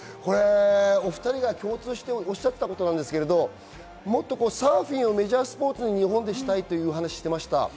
お２人が共通しておっしゃっていたことですが、もっとサーフィンをメジャースポーツに日本でしたいという話をしていました。